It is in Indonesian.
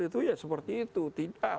itu ya seperti itu tidak